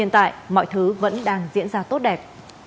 thứ vẫn đang diễn ra tốt đẹp